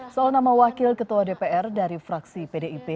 soal nama wakil ketua dpr dari fraksi pdip